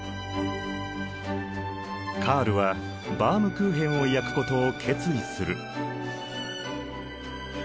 カールはバウムクーヘンを焼くことを決意する。